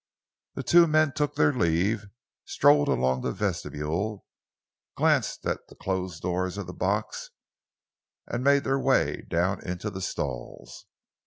The two men took their leave, strolled along the vestibule, glanced at the closed door of the box and made their way down into the stalls.